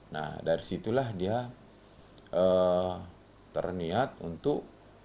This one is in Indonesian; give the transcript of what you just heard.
nah dari situlah dia terniat untuk